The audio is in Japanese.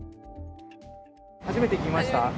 初めて聞きました？